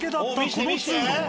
この通路が。